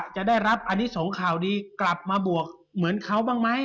จะได้รับอนิสงข่าวดีกลับมาบวกเหมือนเขาบ้างไหม